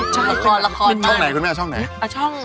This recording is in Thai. ช่องไหนคุณแม่ช่องไหน